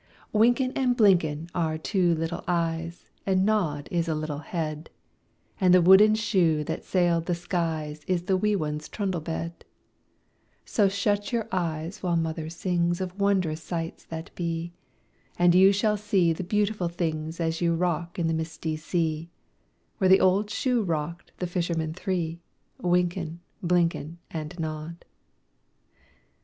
Wynken and Blynken are two little eyes, And Nod is a little head, And the wooden shoe that sailed the skies Is a wee one's trundle bed; So shut your eyes while Mother sings Of wonderful sights that be, And you shall see the beautiful things As you rock on the misty sea Where the old shoe rocked the fishermen three, Wynken, Blynken, And Nod.